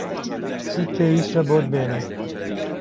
چیت پێویستە بۆت بێنم؟